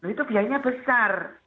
itu biayanya besar